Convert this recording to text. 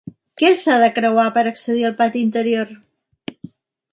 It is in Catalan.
Què s'ha de creuar per accedir al pati interior?